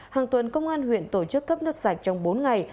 hàng tuần công an huyện tổ chức cấp nước sạch trong bốn ngày